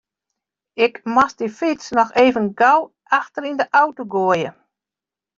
Ik moast de fyts noch even gau achter yn de auto goaie.